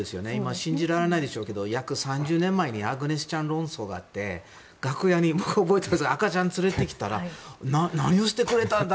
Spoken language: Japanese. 信じられないでしょうけど約３０万年前にアグネス・チャン論争があって楽屋に赤ちゃんを連れてきたら何をしてくれたんだ！